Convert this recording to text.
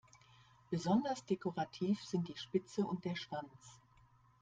Besonders dekorativ sind die Spitze und der Schwanz.